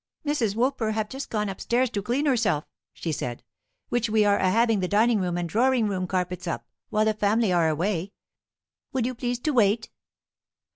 "Mrs. Woolper have just gone upstairs to clean herself," she said; "which we are a having the dining room and droring room carpets up, while the family are away. Would you please to wait?"